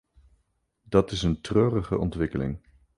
Dat is een treurige ontwikkeling.